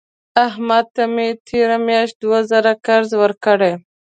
احمد ته مې تېره میاشت دوه زره قرض ورکړې.